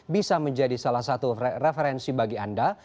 bisa menjadi salah satu referensi bagi anda